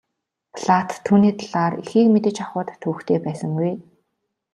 Платт түүний талаар ихийг мэдэж авахад төвөгтэй байсангүй.